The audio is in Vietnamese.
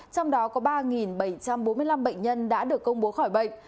trong đó có ba bảy trăm bốn mươi năm bệnh nhân đã được công bố khỏi bệnh